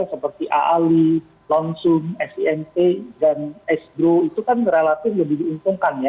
seperti aali lonsum simt dan esdro itu kan relatif lebih diuntungkan ya